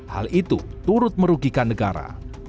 hal itu turut merugikan negara